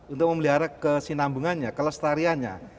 untuk memelihara kesinambungannya kelestariannya